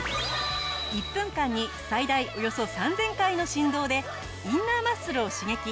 １分間に最大およそ３０００回の振動でインナーマッスルを刺激！